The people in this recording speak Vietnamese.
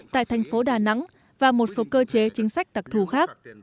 tại thành phố đà nẵng và một số cơ chế chính sách đặc thù khác